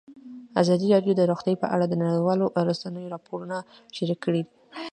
ازادي راډیو د روغتیا په اړه د نړیوالو رسنیو راپورونه شریک کړي.